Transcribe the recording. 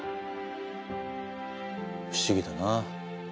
不思議だな。